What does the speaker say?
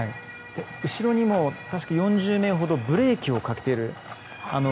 後ろにも確か４０名ほどブレーキをかけている。